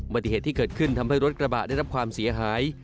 ปฏิเหตุที่เกิดขึ้นทำให้รถกระบะได้รับความเสียหาย